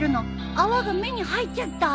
泡が目に入っちゃった？